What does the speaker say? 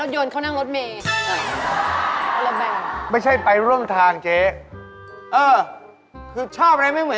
บอกผมใช่กันว่าชอบเจ๊